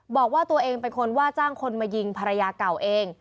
บอกว่าตัวเองเป็นคนว่าจ้างคนมายิงภรรยาเก่าเอง